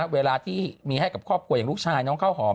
เวลาที่มีให้กับครอบครัวอย่างลูกชายน้องข้าวหอม